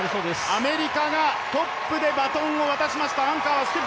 アメリカがトップでバトンを渡しました。